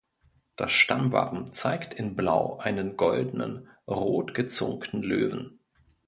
Das Stammwappen zeigt in Blau einen goldenen, rot gezungten Löwen.